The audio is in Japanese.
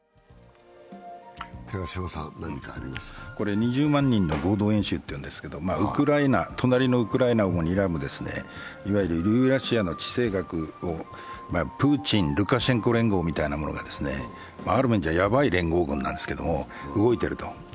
２０万人の合同演習というんですけど隣のウクライナもにらむ、いわゆるユーラシアの地政学、プーチン・ルカシェンコ連合みたいなもの、やばい連合なんですけど、動いていると。